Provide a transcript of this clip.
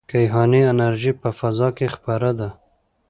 کیهاني انرژي په فضا کې خپره ده.